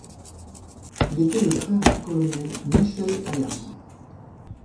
Il était le frère du colonel Michel Alerme.